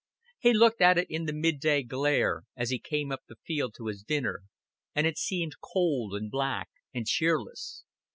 He looked at it in the midday glare, as he came up the field to his dinner, and it seemed cold and black and cheerless.